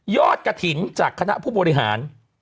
กระถิ่นจากคณะผู้บริหาร